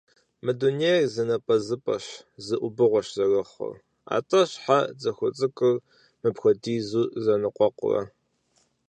Мы дунейр зы напӏэзыпӏэщ, зы ӏубыгъуэщ зэрыхъур, атӏэ, щхьэ цӏыхуцӏыкӏур мыпхуэдизу зэныкъуэкъурэ?